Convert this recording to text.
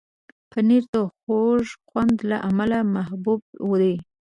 پنېر د خوږ خوند له امله محبوب دی.